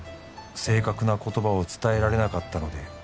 「正確な言葉を伝えられなかったので」